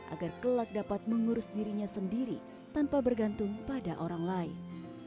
agar kelak dapat mengurus dirinya sendiri tanpa bergantung pada orang lain